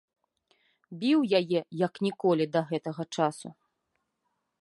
Біў яе як ніколі да гэтага часу.